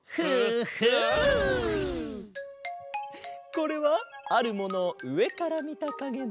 これはあるものをうえからみたかげだ。